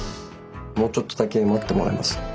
もうちょっとだけ待ってもらえます？